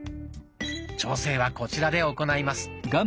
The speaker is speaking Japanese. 調整はこちらで行います。